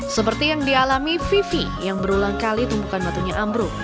seperti yang dialami vivi yang berulang kali tumpukan batunya ambruk